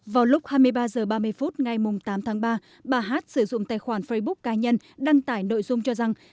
vào lúc hai mươi ba h ba mươi phút ngày tám tháng ba bà hát sử dụng tài khoản facebook cá nhân đăng tải nội dung cho rằng